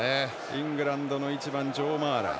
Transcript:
イングランドの１番、ジョー・マーラー。